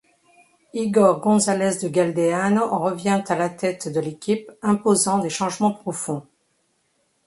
Igor González de Galdeano revient à la tête de l'équipe, imposant des changements profonds.